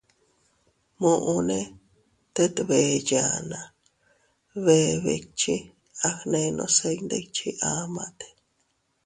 Muʼune tet bee yanna, bee bikchi, agnenose ndikchi amate.